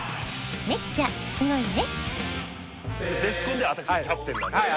めっちゃすごいね！